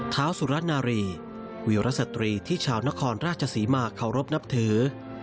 ท้าวสุรรัสนาอรีวิวระศตรีที่ชาวนครราชศรีมาขอรบนับถือ